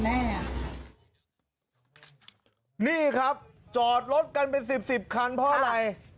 นี่ครับจอดรถกันเป็นสิบสิบคันเพราะอะไร